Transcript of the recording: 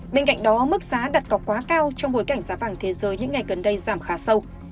bên cạnh đó mức giá đặt cọc quá cao trong bối cảnh giá vàng thế giới những ngày gần đây giảm khá sâu